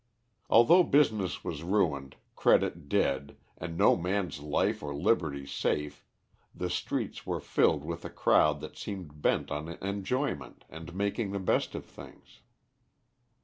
Although business was ruined, credit dead, and no man's life or liberty safe, the streets were filled with a crowd that seemed bent on enjoyment and making the best of things.